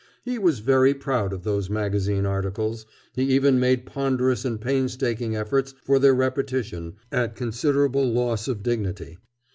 He was very proud of those magazine articles, he even made ponderous and painstaking efforts for their repetition, at considerable loss of dignity.